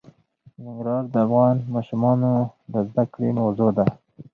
ننګرهار د افغان ماشومانو د زده کړې موضوع ده.